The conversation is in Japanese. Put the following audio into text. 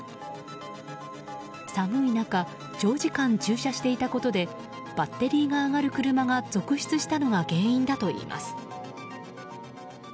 寒い中、長時間駐車していたことでバッテリーが上がる車が続出したのが原因だといいます。